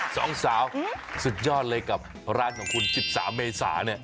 สองสาวสุดยอดเลยกับร้านของคุณ๑๓เมษาเนี่ย